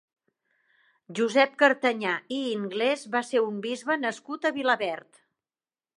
Josep Cartañà i Inglés va ser un bisbe nascut a Vilaverd.